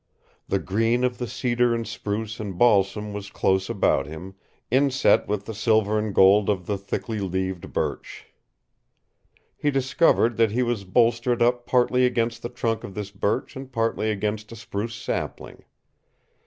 The green of the cedar and spruce and balsam was close about him, inset with the silver and gold of the thickly leaved birch. He discovered that he was bolstered up partly against the trunk of this birch and partly against a spruce sapling.